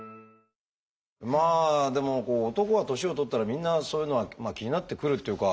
まあでも男が年を取ったらみんなそういうのは気になってくるっていうか。